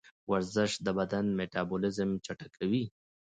ورزش د بدن میتابولیزم چټکوي.